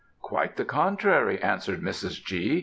"'Quite the contrary,' answered Mrs. G.